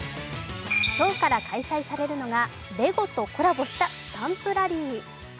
今日から開催されるのがレゴとコラボしたスタンプラリー。